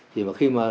thì mà khi mà